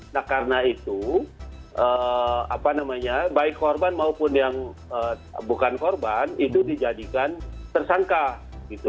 nah karena itu apa namanya baik korban maupun yang bukan korban itu dijadikan tersangka gitu